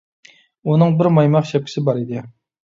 ئۇنىڭ بىر مايماق شەپكىسى بار ئىدى.